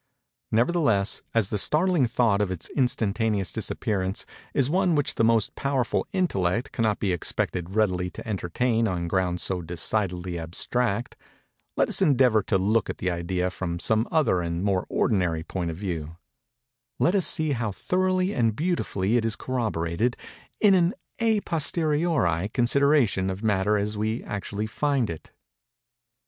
Nevertheless, as the startling thought of its instantaneous disappearance is one which the most powerful intellect cannot be expected readily to entertain on grounds so decidedly abstract, let us endeavor to look at the idea from some other and more ordinary point of view:—let us see how thoroughly and beautifully it is corroborated in an à posteriori consideration of Matter as we actually find it.